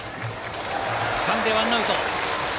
つかんで１アウト。